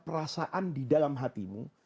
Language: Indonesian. perasaan di dalam hatimu